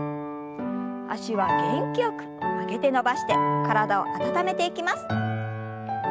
脚は元気よく曲げて伸ばして体を温めていきます。